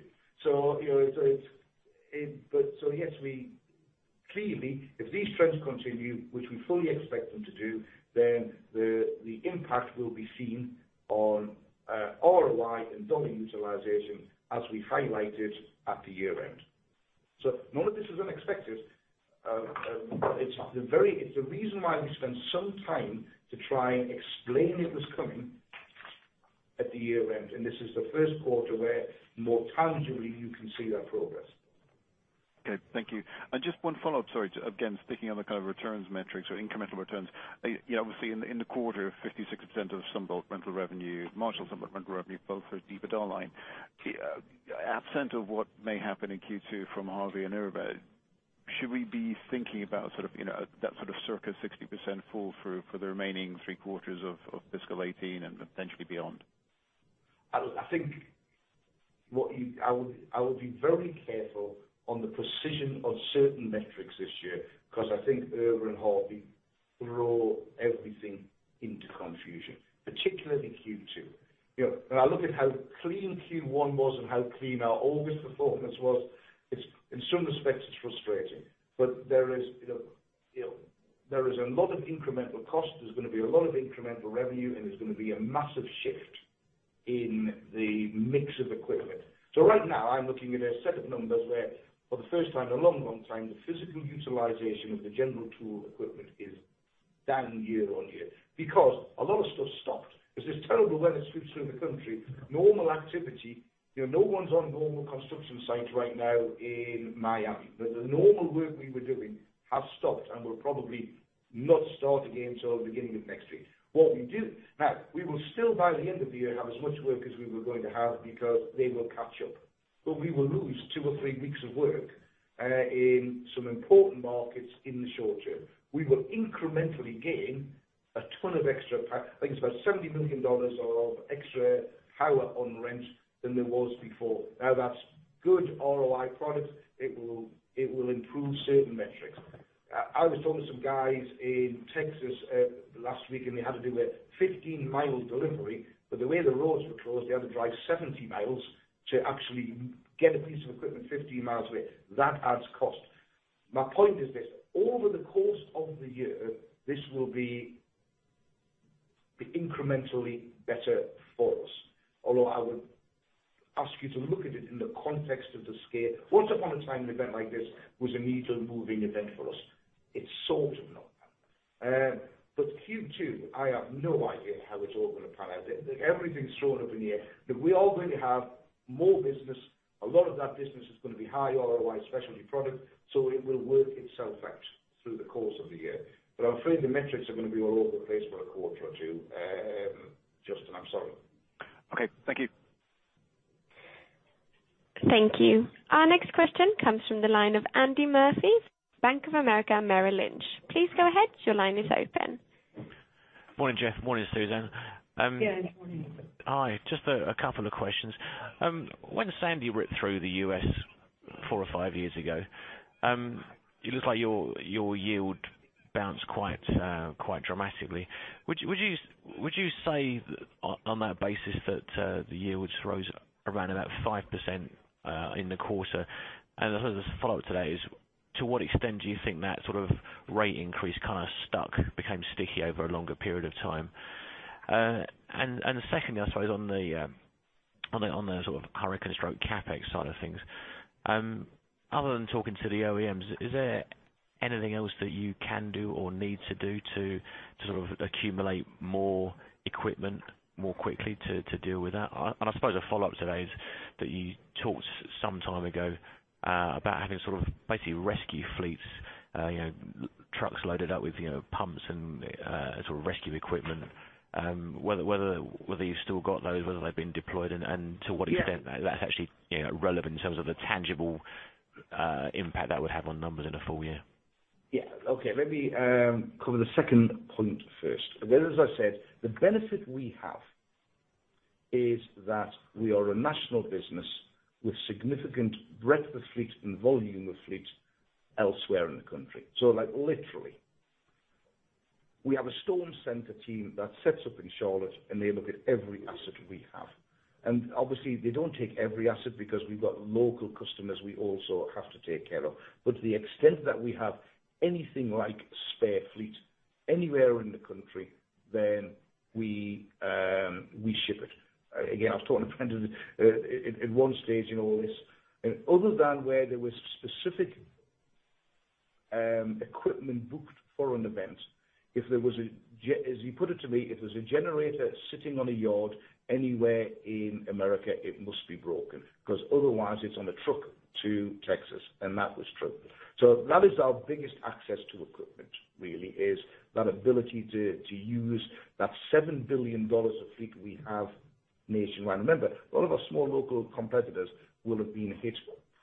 Yes, clearly, if these trends continue, which we fully expect them to do, then the impact will be seen on ROI and dollar utilization as we highlighted at the year-end. None of this is unexpected, but it's the reason why we spend some time to try and explain it was coming at the year-end, and this is the first quarter where more tangibly you can see that progress. Okay. Thank you. Just one follow-up. Sorry. Again, sticking on the kind of returns metrics or incremental returns. Obviously, in the quarter, 56% of some rental revenue, marginal rental revenue, both for EBITDA line. Absent of what may happen in Q2 from Harvey and Irma, should we be thinking about that sort of circa 60% drop-through for the remaining three quarters of fiscal 2018 and potentially beyond? I would be very careful on the precision of certain metrics this year because I think Irma and Harvey throw everything into confusion, particularly Q4. When I look at how clean Q1 was and how clean our August performance was, in some respects it's frustrating. There is a lot of incremental cost, there's going to be a lot of incremental revenue, and there's going to be a massive shift in the mix of equipment. Right now I'm looking at a set of numbers where for the first time in a long, long time, the physical utilization of the general tool equipment is down year-on-year because a lot of stuff stopped. There's this terrible weather sweep through the country. Normal activity, no one's on normal construction sites right now in Miami. The normal work we were doing has stopped and will probably not start again till the beginning of next week. We will still, by the end of the year, have as much work as we were going to have because they will catch up. We will lose two or three weeks of work, in some important markets, in the short term. We will incrementally gain a ton of $70 million of extra power on rent than there was before. That's good ROI product. It will improve certain metrics. I was talking to some guys in Texas last week, and they had to do a 15-mile delivery, but the way the roads were closed, they had to drive 70 miles to actually get a piece of equipment 15 miles away. That adds cost. My point is this, over the course of the year, this will be incrementally better for us. Although I would ask you to look at it in the context of the scale. Once upon a time, an event like this was a needle moving event for us. It's sort of not that. Q2, I have no idea how it's all going to pan out. Everything's thrown up in the air. We are going to have more business. A lot of that business is going to be high ROI specialty product, it will work itself out through the course of the year. I'm afraid the metrics are going to be all over the place for a quarter or two. Justin, I'm sorry. Okay. Thank you. Thank you. Our next question comes from the line of Andy Murphy, Bank of America Merrill Lynch. Please go ahead. Your line is open. Morning, Geoff. Morning, Suzzane. Yeah, good morning. Hi, just a couple of questions. When Hurricane Sandy ripped through the U.S. four or five years ago, it looks like your yield bounced quite dramatically. Would you say on that basis that the yields rose around about 5%, in the quarter? The follow-up to that is, to what extent do you think that sort of rate increase kind of stuck, became sticky over a longer period of time? Secondly, I suppose on the sort of hurricane stroke CapEx side of things, other than talking to the OEMs, is there anything else that you can do or need to do to sort of accumulate more equipment more quickly to deal with that? I suppose a follow-up to that is that you talked some time ago about having sort of basically rescue fleets, trucks loaded up with pumps and rescue equipment. Whether you've still got those, whether they've been deployed and to what extent that's actually relevant in terms of the tangible impact that would have on numbers in a full year. Yeah. Okay, let me cover the second point first. As I said, the benefit we have is that we are a national business with significant breadth of fleet and volume of fleet elsewhere in the country. Literally, we have a storm center team that sets up in Charlotte, and they look at every asset we have. Obviously they don't take every asset because we've got local customers we also have to take care of. To the extent that we have anything like spare fleet anywhere in the country, then we ship it. Again, I was talking to Brendan at one stage in all this. Other than where there was specific equipment booked for an event, as you put it to me, if there's a generator sitting on a yard anywhere in America, it must be broken, because otherwise it's on a truck to Texas. That was true. That is our biggest access to equipment really, is that ability to use that $7 billion of fleet we have nationwide. Remember, a lot of our small local competitors will have been hit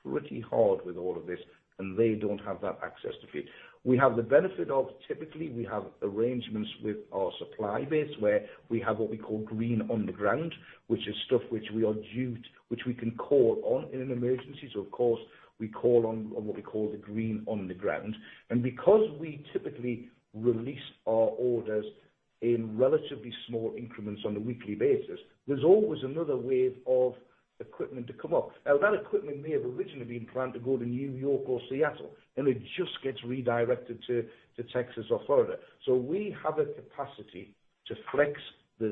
pretty hard with all of this, and they don't have that access to fleet. We have the benefit of, typically, we have arrangements with our supply base where we have what we call green on the ground, which is stuff which we are due, which we can call on in an emergency. Of course, we call on what we call the green on the ground. Because we typically release our orders in relatively small increments on a weekly basis, there's always another wave of equipment to come up. Now, that equipment may have originally been planned to go to New York or Seattle, and it just gets redirected to Texas or Florida. We have a capacity to flex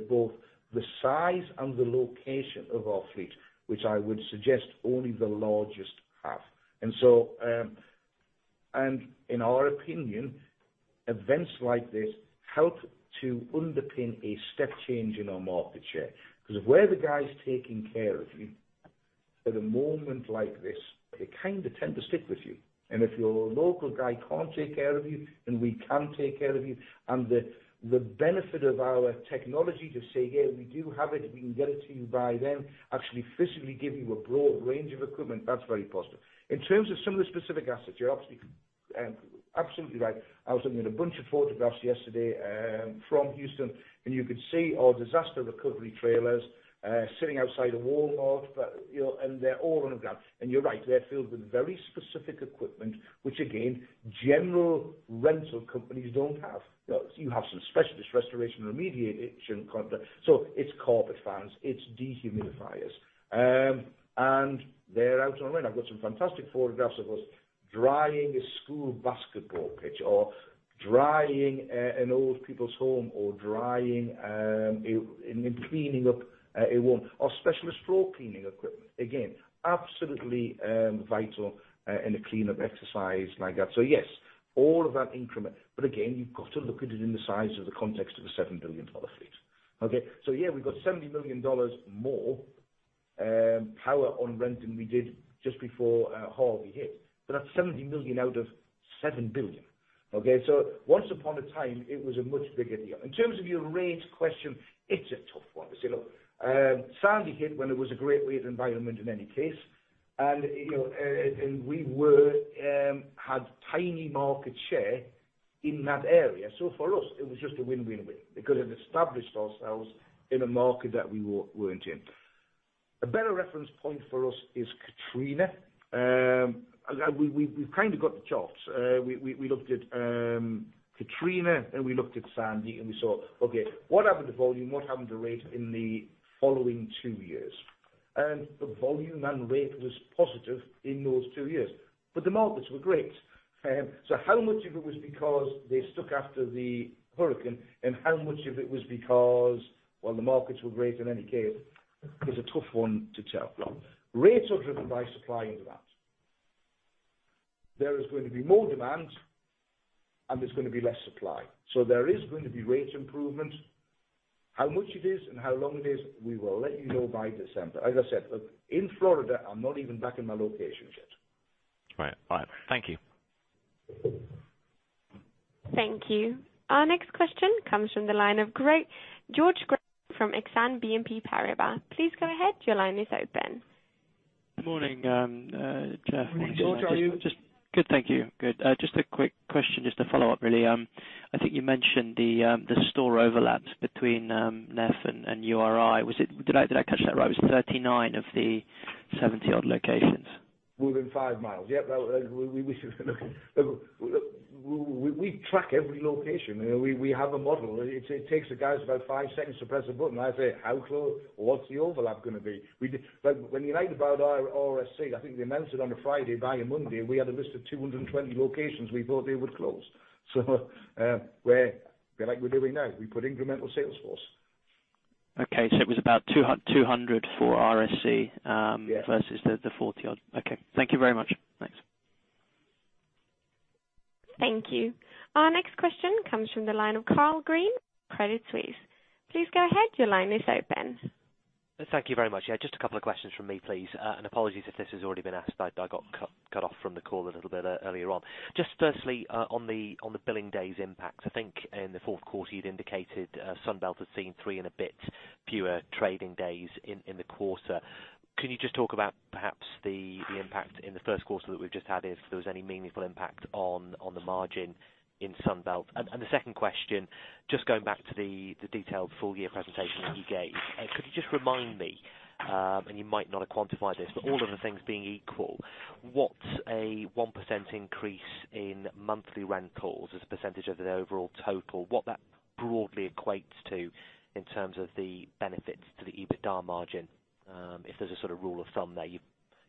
both the size and the location of our fleet, which I would suggest only the largest have. In our opinion, events like this help to underpin a step change in our market share. Where the guy's taking care of you at a moment like this, they kind of tend to stick with you. If your local guy can't take care of you and we can take care of you, and the benefit of our technology to say, "Yeah, we do have it, and we can get it to you by then," actually physically give you a broad range of equipment, that's very positive. In terms of some of the specific assets you're asking. Absolutely right. I was looking at a bunch of photographs yesterday from Houston, you could see our disaster recovery trailers sitting outside of Walmart, and they're all on the ground. You're right, they're filled with very specific equipment, which again, general rental companies don't have. You have some specialist restoration remediation contract. It's carpet fans, it's dehumidifiers. They're out on rent. I've got some fantastic photographs of us drying a school basketball pitch or drying an old people's home or drying and cleaning up a room. Specialist floor cleaning equipment. Again, absolutely vital in a cleanup exercise like that. Yes, all of that increment. Again, you've got to look at it in the size of the context of a $7 billion fleet. Yeah, we've got $70 million more power on rent than we did just before Harvey hit, but that's $70 million out of $7 billion, okay? Once upon a time, it was a much bigger deal. In terms of your rate question, it's a tough one to say, look. Sandy hit when it was a great rate environment in any case. We had tiny market share in that area. For us, it was just a win-win-win because it established ourselves in a market that we weren't in. A better reference point for us is Katrina. We've kind of got the charts. We looked at Katrina, we looked at Sandy, we saw, okay, what happened to volume, what happened to rate in the following two years? The volume and rate was positive in those two years. The markets were great. How much of it was because they stuck after the hurricane and how much of it was because while the markets were great in any case is a tough one to tell. Rates are driven by supply and demand. There is going to be more demand, there's going to be less supply. There is going to be rate improvement. How much it is and how long it is, we will let you know by December. As I said, look, in Florida, I'm not even back in my locations yet. Right. All right. Thank you. Thank you. Our next question comes from the line of George Graham from Exane BNP Paribas. Please go ahead. Your line is open. Good morning, Geoff. Good morning, George. How are you? Good, thank you. Good. Just a quick question, just to follow up, really. I think you mentioned the store overlaps between Neff and URI. Did I catch that right? Was it 39 of the 70-odd locations? Within five miles. Yeah. Look, we track every location. We have a model. It takes the guys about five seconds to press a button, and I say, "How close? What's the overlap gonna be?" When United bought our RSC, I think they announced it on a Friday. By a Monday, we had a list of 220 locations we thought they would close. We're like we're doing now. We put incremental sales force. Okay. It was about 200 for RSC- Yes versus the 40 odd. Okay. Thank you very much. Thanks. Thank you. Our next question comes from the line of Carl Green, Credit Suisse. Please go ahead. Your line is open. Thank you very much. Yeah, just a couple of questions from me, please. Apologies if this has already been asked. I got cut off from the call a little bit earlier on. Just firstly, on the billing days impact, I think in the fourth quarter you'd indicated Sunbelt has seen three and a bit fewer trading days in the quarter. Can you just talk about perhaps the impact in the first quarter that we've just had, if there was any meaningful impact on the margin in Sunbelt? The second question, just going back to the detailed full year presentation that you gave. Could you just remind me, you might not have quantified this, but all other things being equal, what a 1% increase in monthly rentals as a percentage of the overall total, what that broadly equates to in terms of the benefits to the EBITDA margin, if there's a sort of rule of thumb there?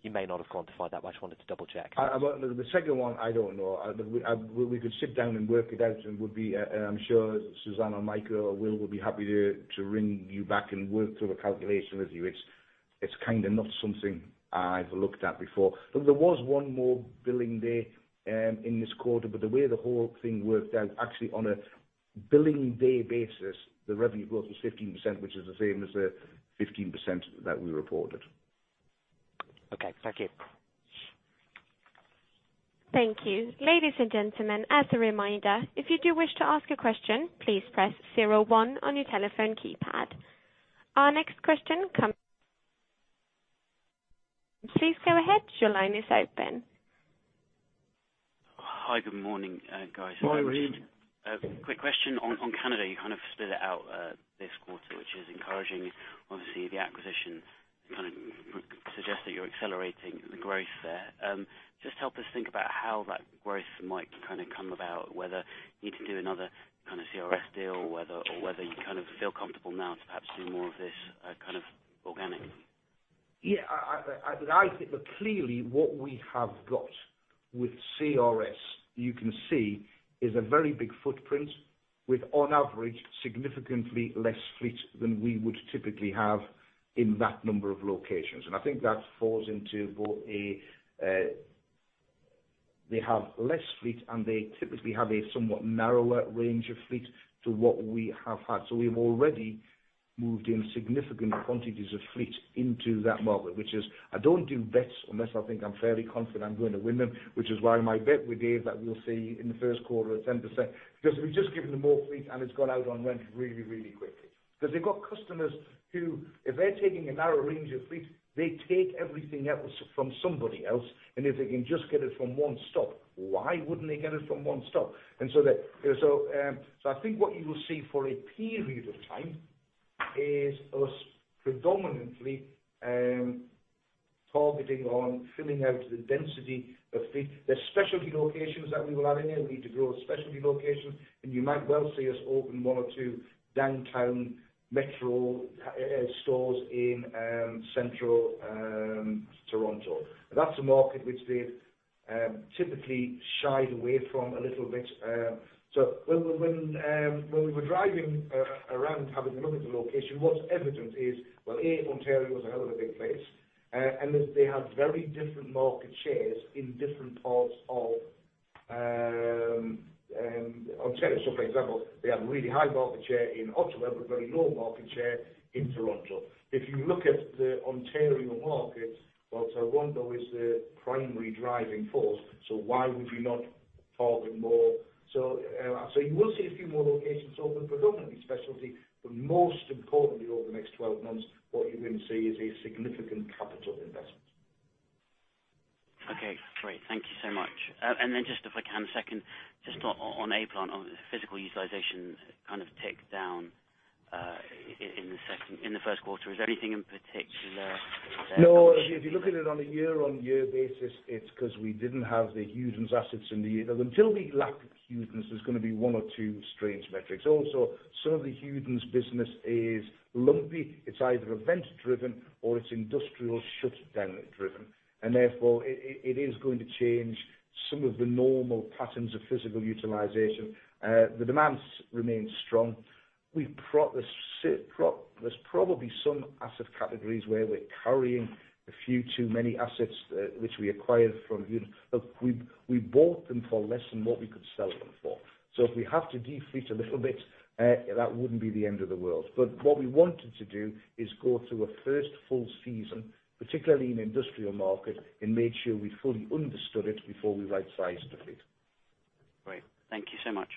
You may not have quantified that, but I just wanted to double-check. The second one, I don't know. We could sit down and work it out, I'm sure Suzanne, Michael or Will would be happy to ring you back and work through the calculation with you. It's kind of not something I've looked at before. Look, there was one more billing day in this quarter, the way the whole thing worked out, actually on a billing day basis, the revenue growth was 15%, which is the same as the 15% that we reported. Okay. Thank you. Thank you. Ladies and gentlemen, as a reminder, if you do wish to ask a question, please press 01 on your telephone keypad. Our next question comes. Please go ahead. Your line is open. Hi. Good morning, guys. Morning. Quick question on Canada. You kind of split it out this quarter, which is encouraging. Obviously, the acquisition kind of suggests that you're accelerating the growth there. Just help us think about how that growth might kind of come about, whether you can do another kind of CRS deal, or whether you kind of feel comfortable now to perhaps do more of this kind of organic. Yeah. Clearly, what we have got with CRS, you can see is a very big footprint with on average, significantly less fleet than we would typically have in that number of locations. I think that falls into both a They have less fleet, and they typically have a somewhat narrower range of fleet to what we have had. We've already moved in significant quantities of fleet into that market, which is, I don't do bets unless I think I'm fairly confident I'm going to win them, which is why my bet with Dave that we'll see in the first quarter a 10%, because we've just given them more fleet, and it's gone out on rent really, really quickly. Because they've got customers who, if they're taking a narrow range of fleet, they take everything else from somebody else, and if they can just get it from one stop, why wouldn't they get it from one stop? I think what you will see for a period of time is us predominantly targeting on filling out the density of fleet. There's specialty locations that we will add in. We need to grow a specialty location, and you might well see us open one or two downtown metro stores in Central Toronto. That's a market which they've typically shied away from a little bit. When we were driving around having a look at the location, what's evident is, well, A, Ontario is a hell of a big place, and they have very different market shares in different parts of Ontario. For example, they have a really high market share in Ottawa, but very low market share in Toronto. If you look at the Ontario market, well, Toronto is the primary driving force, why would you not target more? You will see a few more locations open, predominantly specialty, but most importantly over the next 12 months, what you're going to see is a significant capital investment. Okay, great. Thank you so much. Just if I can second, just on A-Plant on the physical utilization kind of tick down in the first quarter. Is there anything in particular there? No. If you look at it on a year-over-year basis, it's because we didn't have the Hewden's assets in the year. Until we lock Hewden's, there's going to be one or two strange metrics. Also, some of the Hewden's business is lumpy. It's either event driven or it's industrial shutdown driven, therefore, it is going to change some of the normal patterns of physical utilization. The demands remain strong. There's probably some asset categories where we're carrying a few too many assets which we acquired from Hewden's. Look, we bought them for less than what we could sell them for. If we have to defleet a little bit, that wouldn't be the end of the world. What we wanted to do is go through a first full season, particularly in industrial market, and made sure we fully understood it before we right-sized the fleet. Great. Thank you so much.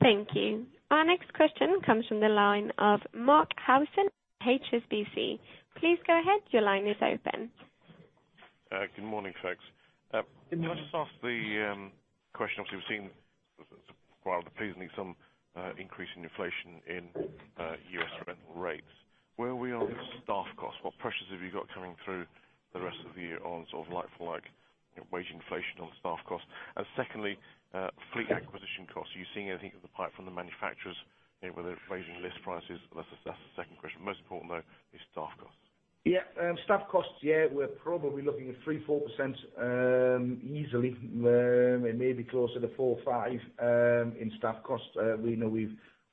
Thank you. Our next question comes from the line of Mark Harrison, HSBC. Please go ahead. Your line is open. Good morning, folks. Good morning. Can I just ask the question, obviously we've seen while [deplacing] some increase in inflation in U.S. rental rates. Where are we on staff costs? What pressures have you got coming through the rest of the year on sort of like for like wage inflation on staff costs? Secondly, fleet acquisition costs. Are you seeing anything of the pipe from the manufacturers, whether they're raising list prices? That's the second question. Most important, though, is staff costs. Staff costs, we're probably looking at 3%, 4% easily. It may be closer to 4% or 5% in staff costs. We know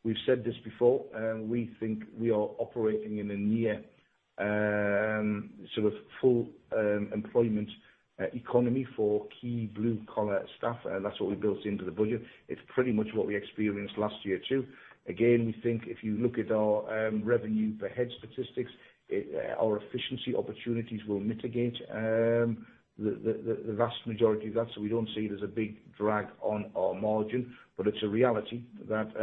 we've said this before. We think we are operating in a near sort of full employment economy for key blue-collar staff. That's what we built into the budget. It's pretty much what we experienced last year, too. Again, we think if you look at our revenue per head statistics, our efficiency opportunities will mitigate the vast majority of that. We don't see it as a big drag on our margin, but it's a reality that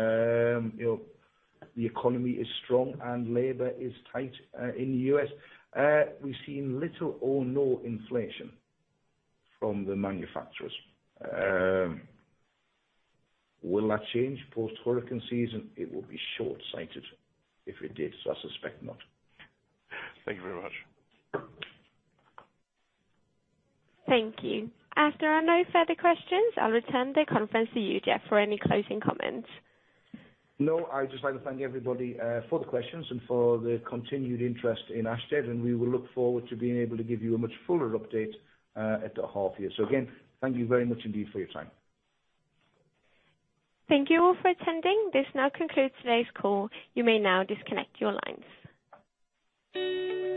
the economy is strong and labor is tight in the U.S. We've seen little or no inflation from the manufacturers. Will that change post-hurricane season? It will be short-sighted if it did, so I suspect not. Thank you very much. Thank you. As there are no further questions, I'll return the conference to you, Geoff, for any closing comments. No. I'd just like to thank everybody for the questions and for the continued interest in Ashtead, we will look forward to being able to give you a much fuller update at the half year. Again, thank you very much indeed for your time. Thank you all for attending. This now concludes today's call. You may now disconnect your lines.